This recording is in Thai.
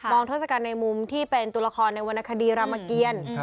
มองทศกัณฐ์ในมุมที่เป็นตุลคอร์ในวรรณคดีรามเกียรติ